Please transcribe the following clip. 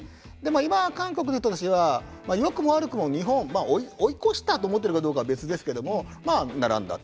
今は韓国の人たちはよくも悪くも日本追い越したと思っているかどうかは別ですけど並んだと。